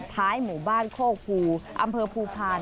ท้ายหมู่บ้านโคกภูอำเภอภูพาล